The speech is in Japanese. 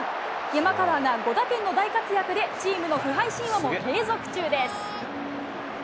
山川が５打点の大活躍でチームの不敗神話も継続中です。